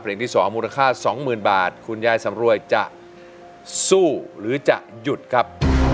ที่๒มูลค่า๒๐๐๐บาทคุณยายสำรวยจะสู้หรือจะหยุดครับ